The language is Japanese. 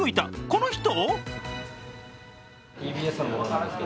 この人？